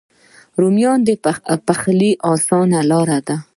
رومیان د پخلي آسانه لاره ده